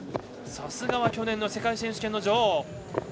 さすがは去年の世界選手権の女王。